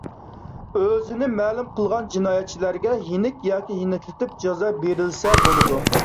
ئۆزىنى مەلۇم قىلغان جىنايەتچىلەرگە يېنىك ياكى يېنىكلىتىپ جازا بېرىلسە بولىدۇ.